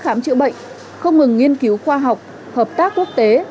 công tác khám trị bệnh không ngừng nghiên cứu khoa học hợp tác quốc tế